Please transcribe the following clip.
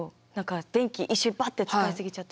電気一緒にバッと使い過ぎちゃって。